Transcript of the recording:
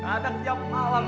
kadang tiap malam